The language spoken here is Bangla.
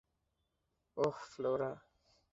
ওহ, ফ্লোরা।